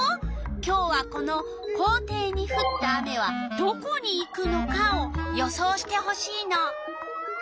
今日はこの「校庭にふった雨はどこにいくのか？」を予想してほしいの。